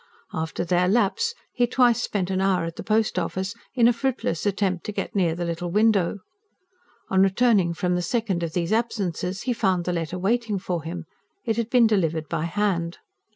After their lapse, he twice spent an hour at the Post Office, in a fruitless attempt to get near the little window. On returning from the second of these absences, he found the letter waiting for him; it had been delivered by hand.